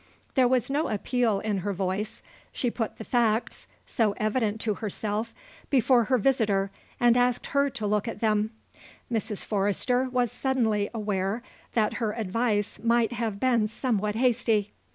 There was no appeal in her voice. She put the facts, so evident to herself, before her visitor and asked her to look at them. Mrs. Forrester was suddenly aware that her advice might have been somewhat hasty.